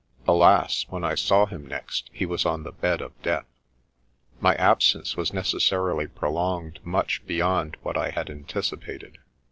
Alas ! when I saw him next he was on the bed of death ! My absence was necessarily prolonged much beyond what I had anticipated.